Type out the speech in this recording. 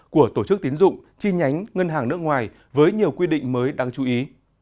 của tổ chức tín dụng chi nhánh ngân hàng nước ngoài với nhiều quy định mới đáng chú ý